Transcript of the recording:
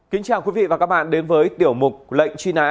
kính chào quý vị và các bạn đến với tiểu mục lệnh truy nã